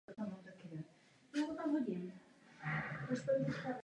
Poděbrady tvoří celkem pět katastrálních území.